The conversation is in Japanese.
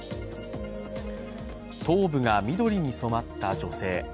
頭部が緑に染まった女性。